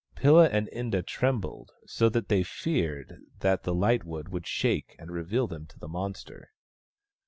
Pilla and Inda trembled so that they feared that the lightwood would shake and reveal them to the monster.